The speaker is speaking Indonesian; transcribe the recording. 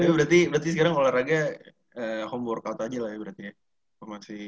berarti sekarang olahraga home workout aja lah ya berarti ya